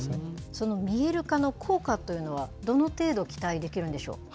その見える化の効果というのは、どの程度、期待できるんでし